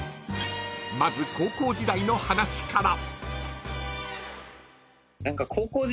［まず高校時代の話から］